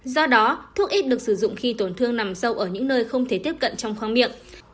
do đó thuốc ít được sử dụng khi tổn thương nằm sâu ở những nơi không thể tiếp cận trong khoang miệng